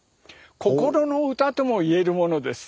心の歌とも言えるものです。